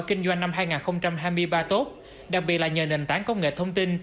kinh doanh năm hai nghìn hai mươi ba tốt đặc biệt là nhờ nền tảng công nghệ thông tin